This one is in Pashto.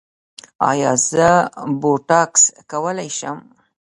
ایا زه بوټاکس کولی شم؟